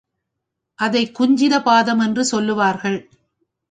அதை குஞ்சித பாதம் என்று சொல்வார்கள்.